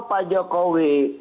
memang sudah berhasil